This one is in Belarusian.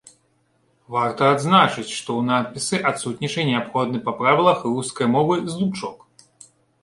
Варта адзначыць, што ў надпісы адсутнічае неабходны па правілах рускай мовы злучок.